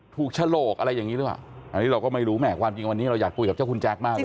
ฉลกอะไรอย่างนี้หรือเปล่าอันนี้เราก็ไม่รู้แห่ความจริงวันนี้เราอยากคุยกับเจ้าคุณแจ๊คมากเลย